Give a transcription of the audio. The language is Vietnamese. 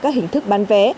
các hình thức bán vé